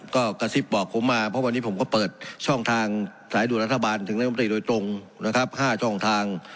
ก็กระซิบบอกผมมาเพราะวันนี้ผมก็เปิดช่องทางสายด่วนรัฐบาลถึงรัฐมนตรีโดยตรงนะครับ๕ช่องทาง